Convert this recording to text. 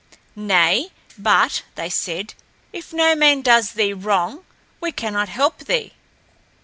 "Nay, but," they said, "if no man does thee wrong, we cannot help thee.